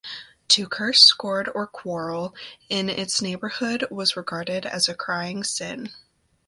To curse, scold, or quarrel in its neighborhood was regarded as a crying sin.